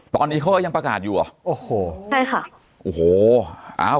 ตอนนี้เขายังประกาศอยู่หรอ